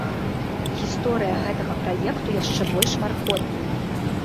Гісторыя гэтага праекту яшчэ больш маркотная.